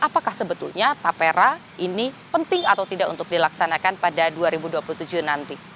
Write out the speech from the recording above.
apakah sebetulnya tapera ini penting atau tidak untuk dilaksanakan pada dua ribu dua puluh tujuh nanti